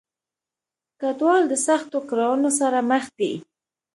کډوال د سختو کړاونو سره مخ دي.